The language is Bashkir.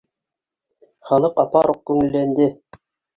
Халыҡ апаруҡ күңелләнде